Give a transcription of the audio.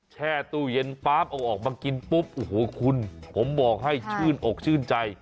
แช่ตู้เย็นปั๊บเอาออกมากินปุ๊บโอ้โหคุณผมบอกให้ชื่นอกชื่นใจ